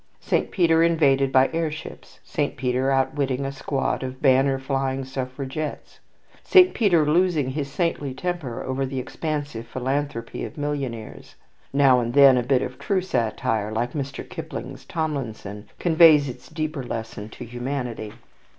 Saint Peter invaded by air ships. Saint Peter outwitting a squad of banner flying suffragettes. Saint Peter losing his saintly temper over the expansive philanthropy of millionaires. Now and then a bit of true satire, like Mr. Kipling's "Tomlinson," conveys its deeper lesson to humanity.